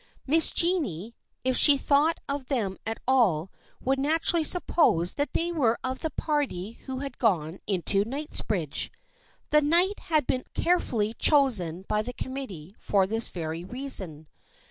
Miss Jennie, if she thought of them at all, would naturally suppose that they were of the 86 THE FRIENDSHIP OF ANNE party who had gone into Kingsbridge. The night had been carefully chosen by the committee for this very reason.